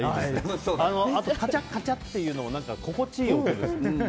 あとカチャカチャっていうのも心地いい音ですね。